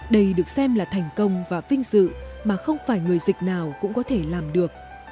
đây được xem là thành công và vinh dự mà không phải người dịch nào cũng có thể làm được